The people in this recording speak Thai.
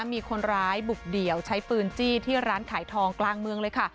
มีคนร้ายบุกเดี่ยวใช้ปืนจี้ที่ร้านขายทองกลางเมืองเลยค่ะ